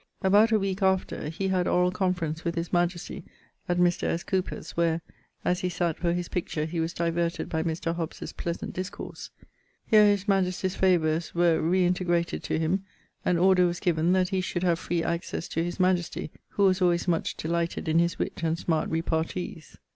About a weeke after he had orall conference with his majesty at Mr. S. Cowper's, where, as he sate for his picture, he was diverted by Mr. Hobbes's pleasant discourse. Here his majestie's favours were redintegrated to him, and order was given that he should have free accesse to his majesty, who was always much delighted in his witt and smart repartees.